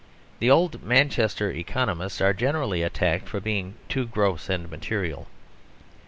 The old Manchester economists are generally attacked for being too gross and material.